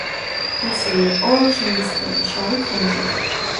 ფესი იყო შინდისფერი, შავი ფუნჯით.